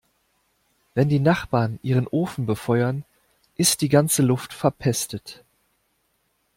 Wenn die Nachbarn ihren Ofen befeuern, ist die ganze Luft verpestet.